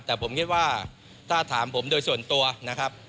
แต่ผมคิดว่าถ้าถามผมโดยส่วนตัวนะครับ